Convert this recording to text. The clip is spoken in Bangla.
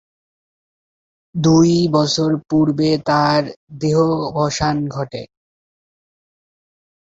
দুই বছর পূর্বে তার দেহাবসান ঘটে।